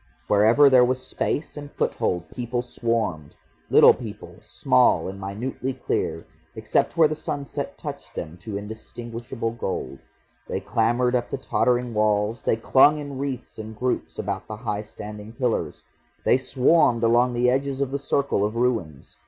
Wherever there was space and foothold, people swarmed, little people, small and minutely clear, except where the sunset touched them to indistinguishable gold. They clambered up the tottering walls, they clung in wreaths and groups about the high standing pillars. They swarmed along the edges of the circle of ruins.